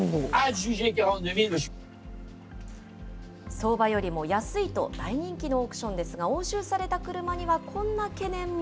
相場よりも安いと大人気のオークションですが、押収された車にはこんな懸念も。